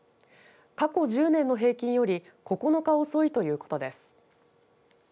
過去１０年の平均より９日遅いということです。